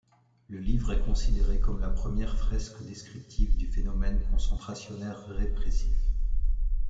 Le livre est considéré comme la première fresque descriptive du phénomène concentrationnaire répressif.